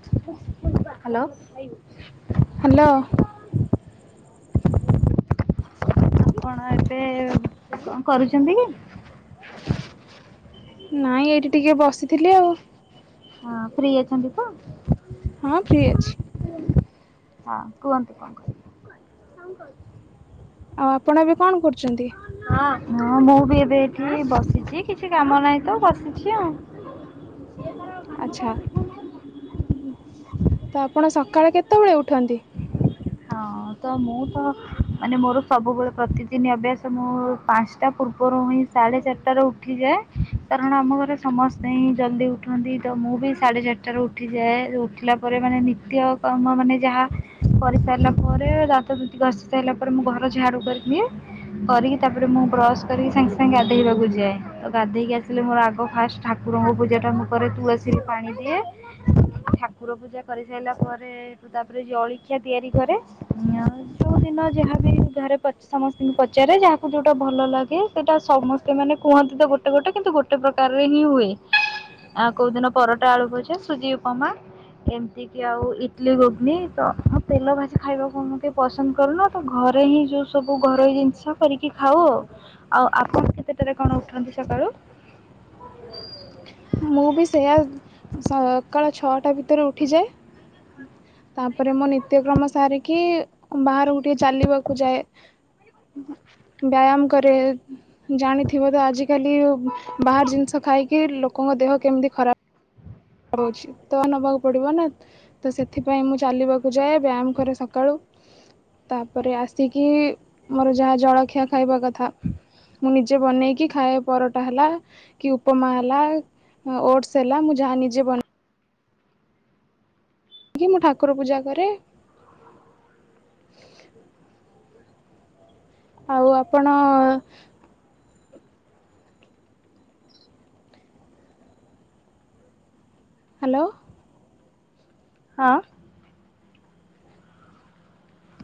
Hello? Hello? କଣ ଏବେ କଣ କରୁଛନ୍ତି କି? ନାଇଁ ଏଇଠି ଟିକେ ବସିଥିଲି ଆଉ। ହଁ ଫ୍ରି ଅଛନ୍ତି ତ? ହଁ ଫ୍ରି ଅଛି। ହଁ କୁହନ୍ତୁ କଣ କହୁଛନ୍ତି? ଆଉ ଆପଣ ଏବେ କଣ କରୁଛନ୍ତି? ହଁ ମୁଁ ବି ଏବେ ଏଠି ବସିଛି କିଛି କାମ ନାହିଁ ତ ବସିଛି ଆଉ। ସେ ତାର ଆଚ୍ଛା ତ ଆପଣ ସକାଳେ କେତେ ବେଳେ ଉଠନ୍ତି? ହଁ ତ ମୁଁ ତ ମାନେ ମୋର ସବୁବେଳେ ପ୍ରତିଦିନ ଅଭ୍ୟାସ ତ ମୁଁ ପାଞ୍ଚଟା ପୂର୍ବରୁ ହିଁ ସାଢେ ଚାରିଟାରେ ଉଠିଯାଏ କାରଣ ଆମ ଘରେ ସମସ୍ତେ ହିଁ ଜଲ୍ଦି ଉଠନ୍ତି ତ ମୁଁ ବି ସାଢ଼େ ଚାରିଟାରୁ ଉଠିଯାଏ ଉଠିଲା ପରେ ମାନେ ନିତ୍ୟ କ୍ରମ ମାନେ ଯାହା କରି ସାରିଲା ପରେ ଦାନ୍ତ ଦୁତି ଘଷି ସାରିଲା ପରେ ମୁଁ ଘର ଝାଡୁ କରି ଦିଏ। କରିକି ତାପରେ ମୁଁ ବ୍ରସ୍ କରିକି ସାଙ୍ଗେ ସାଙ୍ଗେ ଗାଧେଇ ବାକୁ ଯାଏ ତ ଗାଧେଇକି ଆସିଲେ ମୋର ଆଗ ଫାଷ୍ଟ ଠାକୁରଙ୍କ ପୂଜା ଟା ମୁଁ କରେ ତୁଳସୀରେ ପାଣି ଦିଏ। ଠାକୁର ପୂଜା କରି ସାରିଲା ପରେ ଠ ତାପରେ ଜଳଖିଆ ତିଆରି କରେ ଯୋଉ ଦିନ ଯାହାବି ଘରେ ସମ ପଚାରେ ଯାହାକୁ ଯୋଉଟା ଭଲ ଲାଗେ ସେଇଟା ସମସ୍ତେ ମାନେ କୁହନ୍ତି ତ ଗୋଟେ ଗୋଟେ କିନ୍ତୁ ଗୋଟେ ଗୋଟେ ପ୍ରକାରରେ ହିଁ ହୁଏ ଆଉ କୋଉ ଦିନ ପରଟା ଆଳୁ ଭଜା ସୁଜି ଉପମା ଏମତି ଆଉ ଇଡଲିି ଘୁଗୁନି ତ ହଁ ତେଲ ଭାଜି ଖାଇବାକୁ ପସନ୍ଦ କରୁନୁ ତ ଘରେ ହିଁ ଯୋଉ ସବୁ ଘରୋଇ ଜିନିଷ କରିକି ଖାଉ ଆଉ ଆପଣ କେତେ ଟାରେ କଣ ଉଠନ୍ତି ସକାଳୁ? ମୁଁ ବି ସେୟା ସକାଳ ଛଅଟା ଭିତରେ ଉଠିଯାଏ। ତାପରେ ମୁଁ ନିତ୍ୟକ୍ରମ ସାରିକି ବାହାରକୁ ଟିକେ ଚାଲିବାକୁ ଯାଏ ବ୍ୟାୟାମ କରେ। ଜାଣିଥିବ ତ ଆଜିକାଲି ବାହାର ଜିନିଷ ଖାଇକି ଲୋକଙ୍କ ଦେହ କେମିତି ଖରାପ। ହଉଛି ତ ନେବାକୁ ପଡିବ ନା [unintelligible] ତ ସେଥିପାଇଁ ମୁଁ ଚାଲିବାକୁ ଯାଏ ବ୍ୟାୟାମ କରେ ସକାଳୁ। ତାପରେ ଆସିକି ମୋର ଯାହା ଜଳଖିଆ ଖାଇବା କଥା। ମୁଁ ନିଜେ ବନେଇକି ଖାଇବା ପରଟା ହେଲା। କି ଉପମା ହେଲା ଓଟସ ହେଲା ମୁଁ ଯାହା ନିଜେ ବନେଇ କି ମୁଁ ଠାକୁର ପୂଜା କରେ। ଆଉ ଆପଣ ହ୍ୟାଲୋ। ହଁ।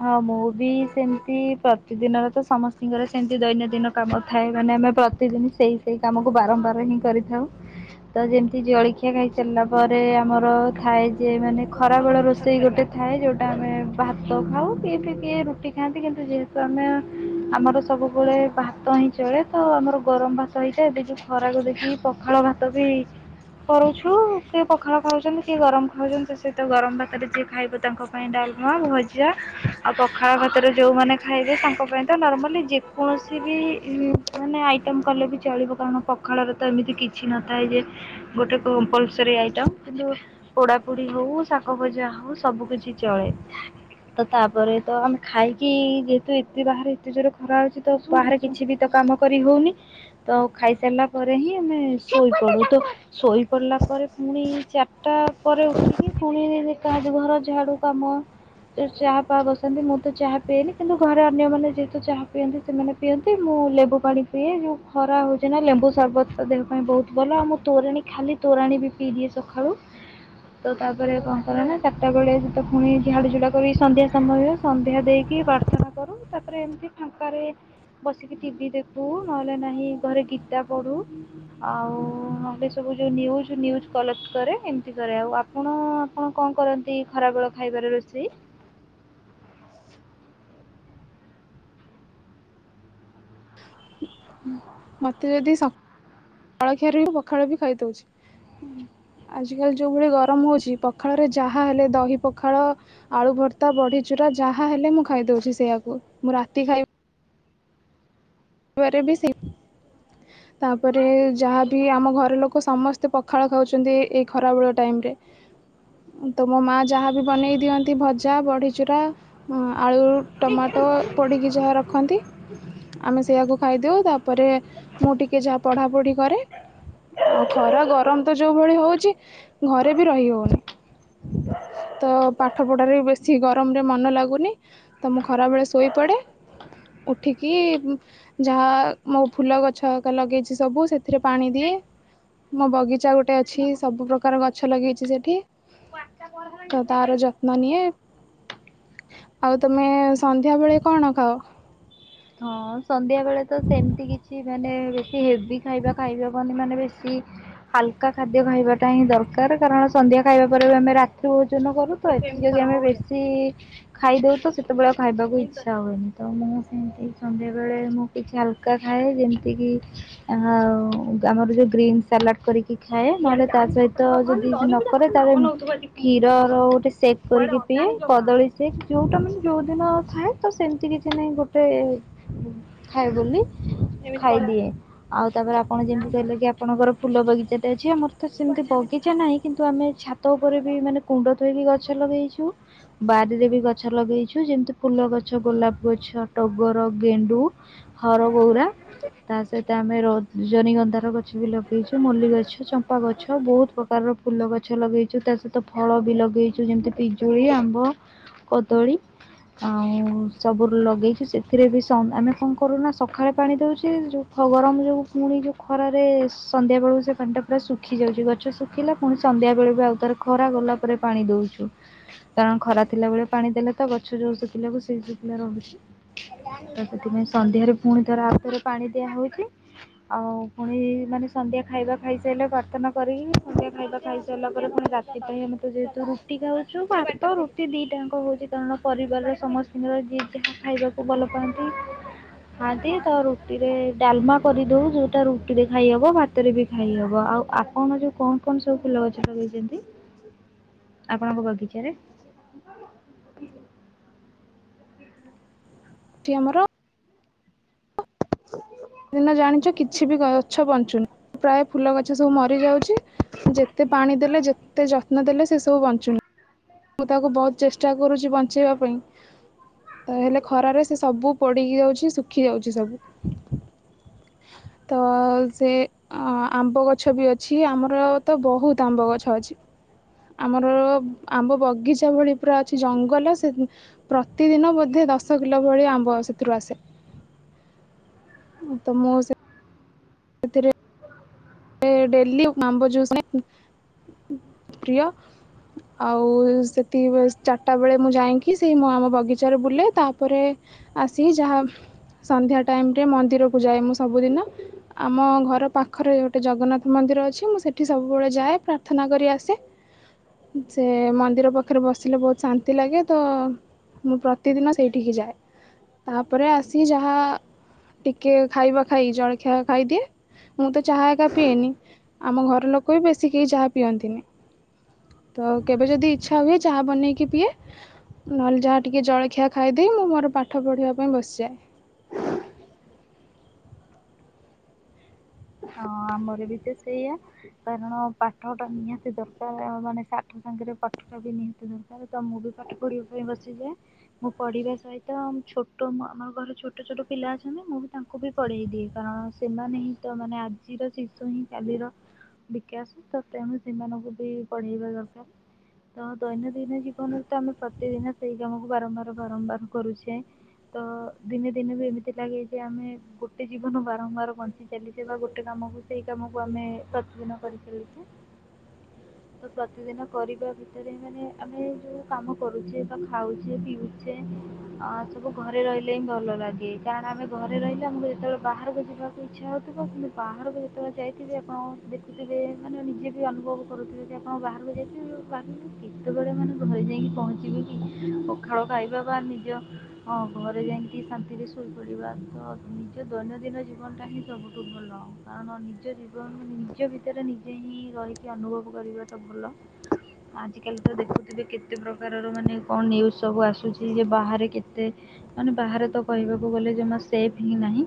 ହଁ ମୁଁ ବି ସେମତି ପ୍ରତିଦିନର ତ ସମସ୍ତଙ୍କର ସେମତି ଦୈନନ୍ଦିନ କାମ ଥାଏ ମାନେ ଆମେ ସେଦିନ ସେଇ ସେଇ କାମକୁ ବାରମ୍ବାର ହିଁ କରିଥାଉ। ତ ଯେମିତି ଜଳଖିଆ ଖାଇ ସାରିଲା ପରେ ଆମର ଥାଏ ଯେ ମାନେ ଖରାବେଳ ରୋଷେଇ ଗୋଟେ ଥାଏ ଯେଉଟା ଆମେ ବା ଭାତ ଖାଉ କିଏ କିଏ ରୁଟି ଖାଆନ୍ତି କିନ୍ତୁ ଯେହେତୁ ଆମେ ଆମର ସବୁବେଳେ ଭାତ ହ ଆମର ଗରମ ଭାତ ହେଇଥାଏ ଯୋଉ ଖରାକୁ ଦେଖିକି ପଖାଳ ଭାତ ବି କରୁଛୁ କିଏ ପୋଖାଳ ଖାଉଛନ୍ତି କିଏ ଗରମ ଖାଉଛନ୍ତି ତା ସହିତ ଗରମ ଭାତରେ ଯିଏ ଖାଇବ। ତାଙ୍କ ପାଇଁ ଡାଲମା ଭଜା ଆଉ ପଖାଳ ଖାତରେ ଯୋଉମାନୋନ ଖାଇବେ ତାଙ୍କ ପାଇଁ ତ ନର୍ମାଲି ଯେକୌଣସି ବି ମାନେ ଆଇଟମ କଲେ ବି ଚଳିବ କାରଣ ପଖାଳରେ ତ ଏମିତି କିଛି ନଥାଏ ଯେ ଗୋଟେ କପଲସ ଆଇଟ [unintelligible] ପୋଡା ପୋଡି ହଉ ଶାଗ ଭଜା ହଉ ସବୁ କିଛି ଚଳେ। ତ ତାପରେ ତ ଆମେ ଖାଇକି ଯେହେତୁ ଏତେ ବାହାରେ ଏତେ ଜୋର ଖରା ଅଛି ତ ବାହାରେ କିଛି ବି ତ କାମ କରି ହଉନି ତ ଖାଇସାରିଲା ପରେ ହିଁ ଆମେ ଶୋଇପଡୁ ତ ଶୋଇପଡ଼ିଲା ପରେ ପୁଣି ଚାରିଟା ପରେ ଉଠିକି ପୁଣି କାହା ଘର ଝାଡ଼ୁ କାମ ଚାହା ପା ବସନ୍ତି ମୁଁ ତ ଚାହା ପିଏନି କିନ୍ତୁ ଘରେ ଅନ୍ୟମାନୋନ ଯେହେତୁ ଚାହା ପିଅନ୍ତି ସେମାନେ ପିଅନ୍ତି ମୁଁ ଲେମ୍ବୁ ପାଣି ପିଏ ଯେଉଁ ଖରା ହଉଛି ନା ଲେମ୍ବୁ ସରବତ ଦେହ ପାଇଁ ବହୁତ ଭଲ ଆଉ ମୁଁ ତୋରାଣୀ ଖାଲି ତୋରାଣି ବି ପିଇ ଦିଏ ସକାଳୁ ତ ତାପରେ କଣ କରେ ନା ଚାରିଟା ବେଳେ ସେତ ପୁଣି ଝାଡୁ ଏଇ ସନ୍ଧ୍ୟା ସମୟରେ ସନ୍ଧ୍ୟା ଦେଇକି ପ୍ରାର୍ଥନା କରୁ ତାପରେ ଏମିତି ଫାଙ୍କାରେ ବସିକି ଟିଭି ଦେଖୁ ନହେଲେ ନାହିଁ ଘରେ ଗୀତା ପଢୁ ଆଉ ନହେଲେ ସବୁ ଯୋଉ ନିଉଜ କଲେକ୍ଟ କରେ। ଏମିତି କରେ ଆଉ ଆପଣ ଆପଣ କଣ କରନ୍ତି? ତୀ ଖରାବେଳ ଖାଇବାର ରୋଷେଇ ମୋତେ ଯଦି ସ କଳଖିଆରେ ବି ପଖାଳ ବି ଖାଇଦଉଛି। ଆଜିକାଲି ଯୋଉ ଭଳି ଗରମ ହଉଛି ପଖାଳରେ ଯାହା ହେଲେ ଦହି ପଖାଳ ଆଳୁ ଭର୍ତା ବଡିଚୁରା ଯାହା ହେଲେ ମୁଁ ଖାଇଦଉଛି। ସେଇଆକୁ ମୁଁ ରାତି ଖାଇବ ବି ସେ ତାପରେ ଯାହାବି ଆମ ଘର ଲୋକ ସମସ୍ତ ତେ ପଖାଳ ଖାଉଛନ୍ତି ଏଇ ଖରାବେଳ ଟାଇମରେ ତ ମୋ ମାଆ ଯାହାବି ବନେଇ ଦିଅନ୍ତି ଭଜା ବଡିଚୁରା ହ ଆଳୁ ଟମାଟୋ ପୋଡ଼ିକି ଯାହା ରଖନ୍ତି। ଆମେ ସେଇଆକୁ ଖାଇଦେଉ ତାପରେ ମୁଁ ଟିକିଏ ଯାହା ପଢ଼ାପଢ଼ି କରେ। ଆଉ ଖରା ଗରମ ତ ଯୋଉ ଭଳି ହଉଛି ଘରେ ବି ରହି ହଉନି। ତ ପାଠ ପଢାରେ ବେଶୀ ଗରମରେ ମନ ଲାଗୁନି। ତ ମୁଁ ଖରାବେଳେ ଶୋଇ ପଡେ ଉଠିକି ଯାହା ମୋ ଫୁଲ ଗଛ ଏକା ଲଗେଇଛି ସବୁ ସେଥିରେ ପାଣି ଦିଏ। ମୋ ବଗିଚା ଗୋଟେ ଅଛି ସବୁ ପ୍ର୍ରକାର ଗଛ ଲଗେଇଛି ସେଠି। ଆଉ ତାର ଯତ୍ନ ନିଏ। ଆଉ ତମେ ସନ୍ଧ୍ୟାବେଳେ କଣ ଖାଅ? ହଁ ସନ୍ଧ୍ୟା ବେଳେ ତ ସେମିତି କିଛି ମାନେ ବେଶୀ ହେଭି ଖାଇବା ଖାଇ ହବନି ମାନେ ବେଶୀ ହାଲକା ଖାଦ୍ୟ ଖାଇବାଟା ହିଁ ଦରକାର କାରଣ ସନ୍ଧ୍ୟା ଖାଇବା ପରେ ବି ଆମେ ରାତିି ଭୋଜନ କରୁ। ଏଥି ଯଦି ଆମେ ବେଶୀ ଖାଇଦଉଛ ତ ସେତେବେଳେ ଆଉ ଖାଇବାକୁ ଇଚ୍ଛା ହୁଏନି। ତ ମୁ ସେମତି ସନ୍ଧ୍ୟାବେଳେ ମୁଁ କିଛି ହାଲକା ଖାଏ ଯେମିତିକି ଆଉ ଆମର ଯୋଉ ଗ୍ରୀନ୍ ସାଲାଡ କରିକି ଖାଏ ନହେଲେ ତା ସହିତ ଯଦି ନ ଘରେ ତାପରେ କ୍ଷୀରର ଗୋଟେ ସେକ୍ କରିକି ପିଏ କଦଳୀ ସେକ୍ ଯୋଉଟା ମାନେ ଯୋଉ ଦିନ ଥାଏ। ତ ସେମତି କିଛି ନାଇଁ ଗୋଟେ ଖାଏ ବୋଲି ଖାଇଦିଏ। ଆଉ ତାପରେ ଆପଣ ଯେମିତି କହିଲେ କି ଆପଣଙ୍କର ଫୁଲ ବଗିଚାଟେ ଅଛି ଆମର ତ ସେମିତି ବଗିଚା ନାହିଁ କିନ୍ତୁ ଆମେ ଛା ଛାତ ଉପରେ ବି ମାନେ କୁଣ୍ଡ ଥୋଇକି ଗଛ ଲଗେଇଛୁ। ବାରିରେ ବି ଗଛ ଲଗେଇଛୁ ଯେମିତି ଫୁଲ ଗଛ ଗୋଲାପ ଗଛ ଟଗର ଗେଣ୍ଡୁ ହରଗଉରା। ତା ସହିତ ଆମେ ରଜନିଗନ୍ଧାର ଗଛ ବି ଲଗେଇଛୁ ମଲ୍ଲି ଗଛ, ଚମ୍ପା ଗଛ ବହୁତ ପ୍ରକାର କାରର ଫୁଲ ଗଛ ଲଗେଇଛୁ ତା ସହିତ ଫଳ ବି ଲଗେଇଛୁ ଯେମିତି ପିଜୁଳି, ଆମ୍ବ କଦଳୀ ଆଉ ସବୁ ଲଗେଇଛୁ ସେଥି ସେଥିରେ ବି ସ ଆମେ କଣ କରୁନା ସକାଳେ ପାଣି ଦେଉଛେ ଯୋଉ ଖ ଗରମ ଯୋଗୁଁ ପୁଣି ଯୋଉ ଖରାରେ ସନ୍ଧ୍ୟା ବେଳକୁ ସେ ପାଣିଟା ପୁରା ଶୁଖି ଯାଉଛି ଗଛ ଶୁଖିଲା ପୁଣି ସନ୍ଧ୍ୟା ବେଳେ ବି ଆଉଥରେ ଖରା ଗଲା ପରେ ପାଣି ଦଉଛୁ କାରଣ ଖରା ଥିଲା ବେଳେ ପାଣି ଦେଲେ ତ ଗଛ ଯୋଉ ଶୁଖିଲା କୁ ସେଇ ଶୁଖିଲା ରହୁଛି। ତ ସେଥିପାଇଁ ସନ୍ଧ୍ୟାରେ ପୁଣି ଥରେ ଆଉଥରେ ପାଣି ଦିଆ ହଉଛି। ଆଉ ପୁଣି ମାନେ ସନ୍ଧ୍ୟା ଖାଇବା ଖାଇସାରିଲେ ପ୍ରାର୍ଥନା କରିକି ସନ୍ଧ୍ୟା ଖାଇବା ଖାଇ ସାରିଲା ପରେ ପୁଣି ରା ସେଥିପାଇଁ ଆମେତ ଯେହେତୁ ରୁଟି ଖାଉଚୁ ଆମେତ ରୁଟି ଭାତ ଦିଟାଙ୍କ ହଉଚି କାରଣ ପରିବାରର ସମସ୍ତେ ଦିନରେ ଯିଏ ଯାହା ଖାଇବାକୁ ଭଲ ପାଆନ୍ତି। ଖାନ୍ତି ତରୁଟିରେ ଡାଲମା କରିଦୋଉ ଯୋଉଟା ରୁଟିରେ ଖାଇହବ ଭା ଭାତରେବି ଖାଇ ହବ ଆଉ ଆପଣ ଯୋଉ କଣ କଣ ସବୁ ଫୁଲ ଗଛ ଲଗେଇଚନ୍ତି? ଆପଣଙ୍କ ବଗିଚାରେ? ଏଠି ଆମର [unintelligible] ଏଇନା ଜାଣିଚ କିଛିବି ଗଛ ବଞ୍ଚୁନୀ ପ୍ରାୟ ଫୁଲ ଗଛ ସବୁ ମରିଯାଉଚି ଯେତେ ପାଣି ଦେଲେ ଯେ ଏତେ ଯତ୍ନ ଦେଲେ ସେସବୁ ବଞ୍ଚୁନି ମୁଁ ତାକୁ ବହୁତ୍ ଚେଷ୍ଟା କରୁଚି ବଞ୍ଚେଇବା ପାଇଁ। ତାହେଲେ ଖରାରେ ସେସବୁ ପୋଡ଼ିକି ଯାଉଚି ଶୁଖି ଯାଉଛି ସବୁ। ତ ଆଉସେ ଆଁ ଆମ୍ବ ଗଛବି ଅଛି ଆମରତ ବହୁତ୍ ଆମ୍ବ ଗଛ ଅଛି। ଆମର ଆମ୍ବ ବଗିଚା ଭଳି ପୁରା ଅଛି ଜଙ୍ଗଲ ସେ ପ୍ରତିଦିନ ବୋଧେ ଦଶ କିଲୋ ଭଳି ଆମ୍ବ ସେଥିରୁ ଆସେ। ତ ମୋ ସେ ସେଥିରେ ଏବେ ଡେଲି ଆମ୍ବ ଜୁସ୍ ପ୍ରିୟ ଆଉ ସେଠି ଚାରିଟା ବେଳେ ମୁଁ ଯାଇକି ସେଇ ଆମ ବଗିଚାରେ ବୁଲେ ତାପରେ ଆସିକି ଯାହା ସନ୍ଧ୍ୟା ଟାଇମ୍ ରେ ମନ୍ଦିରକୁ ଯାଏ ମୁଁ ସବୁଦିନ ଆମ ଘର ପାଖରେ ଗୋଟେ ଜଗନ୍ନାଥ ମନ୍ଦିର ଅଛି ମୁଁ ସେଠି ସବୁବେଳେ ଯାଏ ପ୍ରାର୍ଥନା କରି ଆସେ। ସେ ମନ୍ଦିର ପାଖରେ ବସିଲେ ବହୁତ୍ ଶାନ୍ତି ଲାଗେ ତ ମୁଁ ପ୍ରତିଦିନ ସେଇଠିକି ଯାଏ ତାପରେ ଆସି ଯାହା ଟିକେ ଖାଇବା ଖାଇ ଜଳଖିଆ ଖାଇଦିଏ ମୁଁ ତ ଚାହା ପିଏନି ଆମ ଘର ଲୋକବି ବେଶୀ କେହି ଚାହା ପିଅନ୍ତିନି। ତ କେବେ ଯଦି ଇଚ୍ଛା ହୁଏ ଚାହା ବନେଇକି ପିଏ ନହେଲେ ଯାହା ଟିକେ ଜଳଖିଆ ଖାଇଦେଇ ମୁଁ ମୋର ପାଠ ପଢିବା ପାଇଁ ବସିଯାଏ। ହଁ ଆମରବିତ ସେଇଆ। କାରଣ ପାଠଟା ନିହାତି ଦରକାର୍ ମାନେ ସାଠ ସାଙ୍ଗରେ ପାଠଟାବି ନିହାତି ଦରକାର। ତ ମୁଁବି ପାଠ ପଢିବା ପାଇଁ ବସିଯାଏ ମୁଁ ପଢିବା ସହିତ ଛୋଟ ଆମ ଘର ଛୋଟ ଛୋଟ ପିଲା ଅଛନ୍ତି ମୁଁବି ତାଙ୍କୁବି ପଢ଼େଇ ଦିଏ। କାରଣ ସେମାନେ ହିଁତ ମାନେ ଆଜିର ଶିଶୁହିଁ କାଲିର ବିକାଶତ ତେଣୁ ସେମାନଙ୍କୁବି ପଢେଇବା ଦରକାର। ତ ଦୈନନ୍ଦିନ ଜୀବନରେତ ଆମେ ପ୍ରତିଦିନ ସେଇ କାମକୁ ବାରମ୍ବାର ବାରମ୍ବାର କରୁଛେ। ତ ଦିନେ ଦିନେବି ଏମିତି ଲାଗେ ଯେଆମେ ଗୋଟେ ଜୀବନ ବାରମ୍ବାର ବ ଚାଲିଚିଥିବା ଗୋଟେ କାମକୁ ସେଇ କାମକୁ ଆମେ ପ୍ରତିଦିନ କରିଚାଲିବୁ। ତ ପ୍ରତିଦିନ କରିବା ଭିତରେ ମାନେ ଆମେ ଯୋଉ କାମ କରୁଚେ ବା ଖାଉଚେ ପିଉ ଚେ ଆଁ ସବୁ ଘରେ ରହିଲେହିଁ ଭଲ ଲାଗେ କାରଣ ଆମେ ଘରେ ରହିଲେ ଆମକୁ ଯେତେବେଳେ ବାହାରକୁ ଯିବାକୁ ଇଚ୍ଛା ହେଉଥିବ କିନ୍ତୁ ବାହାରକୁ ଯେତେବେଳେ ଯାଇଥିବେ ଆପଣ ଦେତିଥିବେ ମାନେ ନିଜେବି ଅନୁଭବ କରୁଥିବେଦ ଆପଣ ବାହାରକୁ ଯାଇଥିବେ ବାହାର କେତେବେଳେ ମାନେ ଘରେ ଯାଇକି ପହଞ୍ଚିଗଲି ଖାଉ ଖାଇବା ବା ନିଜ ହଁ ଘରେ ଯାଇକି ଶାନ୍ତିରେ ଶୋଇପଡ଼ିବା ତନିଜ ଦୈନନ୍ଦିନ ଜୀ ଜିବନଟାହିଁ ସବୁଠୁ ଭଲ। କାରଣ ନିଜ ଜୀବନ ନିଜ ଭିତରେ ନିଜେହିଁ ରହିକି ଅନୁଭବ କରିବାଟା ଭଲ ଆଉ, ଆଜିକାଲି ତ ଦେଖୁଥିବେ କେତେ ପ୍ରକାରର ମାନେ କଣ ନ୍ୟୁଜ୍ ସବୁ ଆସୁଛି ଯେ ବାହାରେ କେତେ, ମାନେ ବାହାରେ ତ କହିବାକୁ ଗଲେ ଯେମା ସେଫ୍ ହିଁ ନାହିଁ,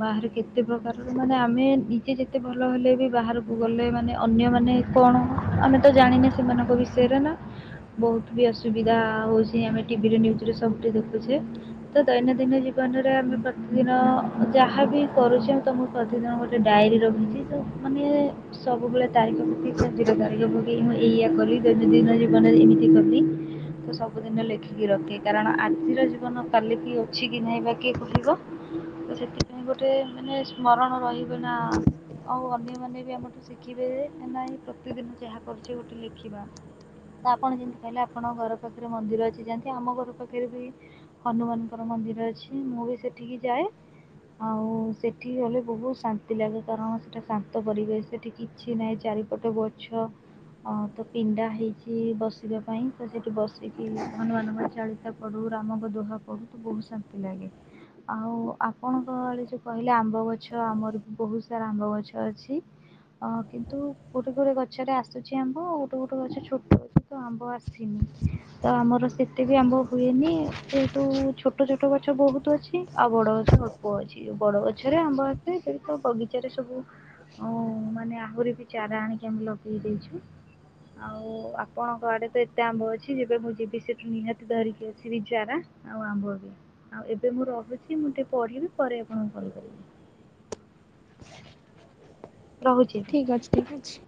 ବାହାରେ କେତେ ପ୍ରକାରର ମାନେ ଆମେ ନିଜେ ଯେତେ ଭଲ ହେଲେ ବି ବାହାରକୁ ଗଲେ ମାନେ ଅନ୍ୟମାନେ, କଣ ଆମେ ତ ଜାଣିନେ ସେମାନଙ୍କ ବିଷୟରେ ନା, ବହୁତ୍ ବି ଅସୁବିଧା ହଉଛି ଆମେ ଟିଭିରେ ନିଜ୍ ରେ ସବୁ ଟେ ଦେଖୁଛେ, ତ ଦୈନନ୍ଦିନ ଜୀବନରେ ଆମେ ପ୍ରତିଦିନ, ଯାହାବି କରୁଛି ମୁଁ ତମ ପ୍ରତିଦିନ ଗୋଟେ ଡାଏରୀ ରଖିଛି ତ ମାନେ, ସବୁବେଳେ ତାରିଖ ପକ ଖଜିର ତାରିଖ ପକେଇ ମୁଁ ଏଇୟଆ କଲି ଦୈନନ୍ଦିନ ଜୀବନରେ ଏମିତି କଲି, ତ ସବୁଦିନ ଲେଖିକି ରଖେ କାରଣ ଆଜିର ଜୀବନ କାଲି କି ଅଛି କି ନାହିଁ ବା କିଏ କହିବ, ସେଥିପାଇ ଗୋଟେ ମାନେ ସ୍ମରଣ ରହିବ ନା, ଆଉ ଅନ୍ୟମାନୋନ ବି ଆମଠୁ ଶିଖିବେ ନାଇଁ ପ୍ରତିଦିନ ଯାହା କରୁଛି ଗୋଟେ ଲେଖିବା, ଆପଣ ଯେମିତି କହିଲେ ଆପଣଙ୍କ ଘର ପାଖରେ ମନ୍ଦିର ଅଛି ଯନ୍ତି ଆମ ଘର ପାଖରେ ବି, ହନୁମାନଙ୍କର ମନ୍ଦିର ଅଛି ମୁଁ ବି ସେଠିକି ଯାଏ, ଆଉ, ସେଠି ହେଲେ ବହୁତ ଶାନ୍ତି ଲାଗେ କାରଣ ସେଟା ଶାନ୍ତ ପରିବେଶ ସେଠି କିଛି ନାହିଁ ଚାରିପଟେ ବଟ୍ ଛ, ଅ ତ ପିଣ୍ଡା ହେଇଛି ବସିବା ପାଇଁ ତ ସେଠି ବସିକି ହନୁମାନଙ୍କ ଚାଳିଶା, ପଢୁ ରାମଙ୍କ ଦୁହା ପଢ଼ୁ ତ ବହୁତ୍ ଶାନ୍ତି ଲାଗେ ଆଉ ଆ ଆପଣ ଗହଳି ଯୋଉ କହିଲେ ଆମ୍ବ ଗଛ ଆମର ବି ବହୁତ୍ ସାରା ଆମ୍ବ ଗଛ ଅଛି, ହଁ କିନ୍ତୁ ଗୋଟେ-ଗୋଟେ ଗଛରେ ଆସୁଛି ଆମ୍ବ ଆଉ ଗୋଟେ- ଗୋଟେ ଗଛ ଛୋଟ ହଉଛି, ଆମ୍ବ ଆସିନି, ତ ଆମର ସେତେ ବି ଆମ୍ଭ ହୁଏନି ସେତୁ ଛୋଟ-ଛୋଟ ଗଛ ବହୁତ୍ ଅଛି ଆଉ ବଡ଼ ଗଛ ଅ, ପୁଅ ଅଛି ଯୋଉ ବଡ଼ ଗଛରେ ଆମ୍ବ ଏତେ ସେଠି ତ ବଗିଚାରେ ସବୁ, ଅଁ ମାନେ ଆହୁରି ବି ଚାରା ଆଣିକି ଆମେ ଲଗେଇ ଦେଇଛୁ, ଆଉ ଆପଣଙ୍କ ଆଡ଼େ ତ ଏତେ ଆମ୍ବ ଅଛି ଯେବେ ମୁଁ ଯିବି ସେଠୁ ନିହାତି ଧରିକି ଯିବି ଚାର, ଆଉ ଆମ୍ବ ବି ଆଉ ଏବେ ମୁଁ ରହୁଛି ମୁଁ ଟିକେ ପଢ଼ିବି, ପରେ ଆପଣକୁ କଲ୍ କରିବି ରହୁଛି, ଏବେ ଠିକ୍ ଅଛି ଠିକ୍ ଅଛି,